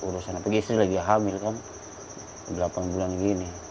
tapi istri lagi hamil kan delapan bulan begini